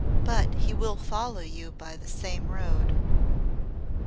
"But he will follow you by the same road."